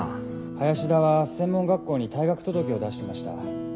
林田は専門学校に退学届を出してました。